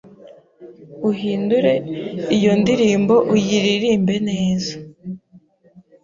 uhindure iyo ndirimbo uyiririmbe neza